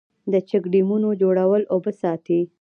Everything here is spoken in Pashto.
د چک ډیمونو جوړول اوبه ساتي